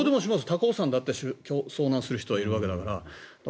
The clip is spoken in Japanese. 高尾山だって遭難する人はいるわけだから。